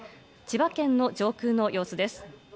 千葉県の上空の様子です。